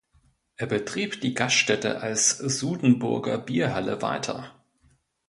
Er betrieb die Gaststätte als "Sudenburger Bierhalle" weiter.